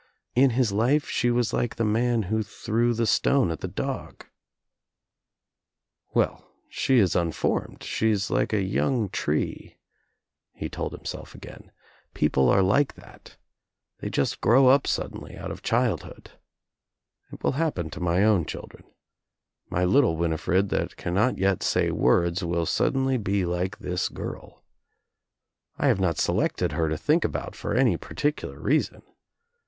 In his life she was like the man who threw the stone at dog. "Well, she is unformed; she is like a young tree," he told himself again. "People are like that. They just grow up suddenly out of childhood. It will hap pen to my own children. My little Winifred that can not yet say words will suddenly be like this girl, I have not selected her to think about for any particular reason.